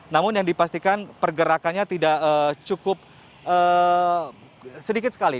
namun yang dipastikan pergerakannya tidak cukup sedikit sekali